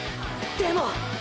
でも！！